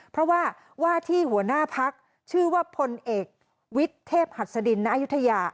เพราะว่าว่าที่หัวหน้าพักชื่อว่าพลเอกวิทย์เทพหัสดินณอายุทยา